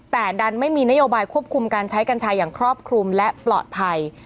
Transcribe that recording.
แต่ดันไม่มีนโยบายควบคุมการใช้กัญชาอย่างครอบคลุมและปลอดภัย